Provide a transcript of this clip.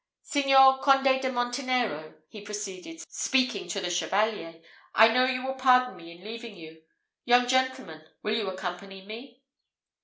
Signor Conde de Montenero," he proceeded, speaking to the Chevalier, "I know you will pardon me in leaving you. Young gentleman, will you accompany me?"